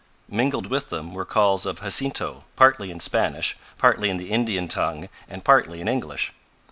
Mingled with them were calls of Jacinto, partly in Spanish, partly in the Indian tongue and partly in English.